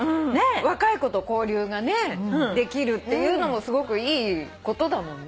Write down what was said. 若い子と交流がねできるっていうのもすごくいいことだもんね。